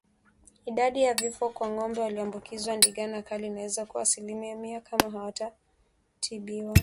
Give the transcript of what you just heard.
Idadi ya vifo kwa ngombe walioambukizwa ndigana kali inaweza kuwa asilimia mia kama hawatatibiwa